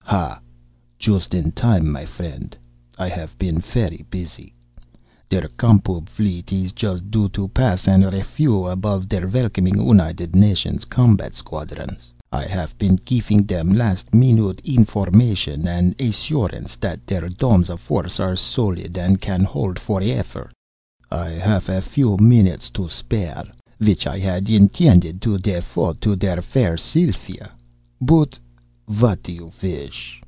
"Ha! Just in time, my friend! I haff been fery busy. Der Com Pub fleet is just due to pass in refiew abofe der welcoming United Nations combat squadrons. I haff been gifing them last minute information and assurance that der domes of force are solid and can hold forefer. I haff a few minutes to spare, which I had intended to defote to der fair Sylva. But what do you wish?"